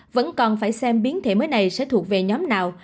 vẫn còn phải xem biến thể mới này sẽ thuộc về nhóm nào